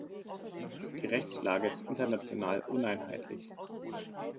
Die Rechtslage ist international uneinheitlich.